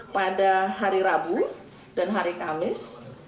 pada hari rabu dan hari kamis